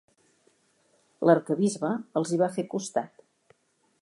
L'arquebisbe els hi va fer costat.